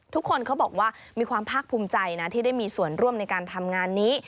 เขาบอกว่ามีความภาคภูมิใจนะที่ได้มีส่วนร่วมในการทำงานนี้